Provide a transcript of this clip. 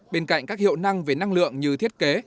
bên cạnh các hiệu năng về năng lượng như thiết kế